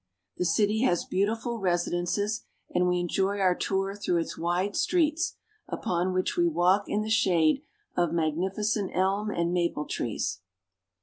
The city has beautiful resi dences, and we enjoy our tour through its wide streets, upon which we walk in the shade of magnificent elm and maple trees.